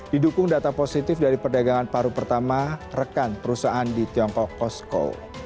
didukung data positif dari perdagangan paru pertama rekan perusahaan di tiongkok cosco